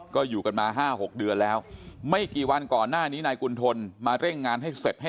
คือต้องทำยัดอ่ะ